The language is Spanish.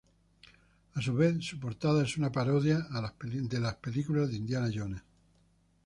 A su vez, su portada es una parodia a las películas de Indiana Jones.